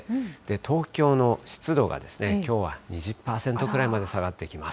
東京の湿度がきょうは２０％くらいまで下がってきます。